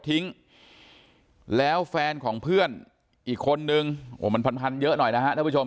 ทิ้งแล้วแฟนของเพื่อนอีกคนนึงโอ้มันพันเยอะหน่อยนะฮะท่านผู้ชม